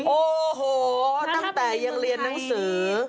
โอ้โหตั้งแต่ยังเรียนหนังสือ